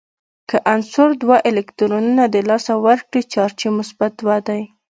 که عنصر دوه الکترونونه د لاسه ورکړي چارج یې مثبت دوه دی.